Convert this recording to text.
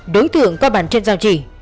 đối tượng có bàn chân dao chỉ